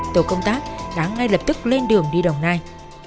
tổ công tác đã ngay lập tức lên đường đi đồng nai